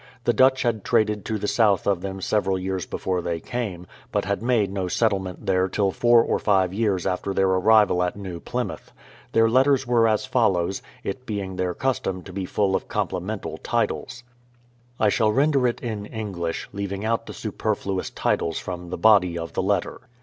The Dutch had traded to the south of them several years before they came, but had made no settlement there till four or five years after their arrival at New Plymouth. Their letters were as fol lows — it being their custom to be full of complimental titles. I shall render it in English, leaving out the superfluous titles from the body of the letter.